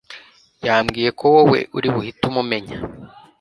yambwiye ko wowe uribuhite umumenya